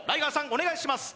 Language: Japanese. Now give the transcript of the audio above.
お願いします